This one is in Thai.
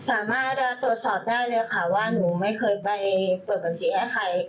สามารถจะตรวจสอบได้เลยค่ะว่าหนูไม่เคยไปเปิดบัญชีให้ใคร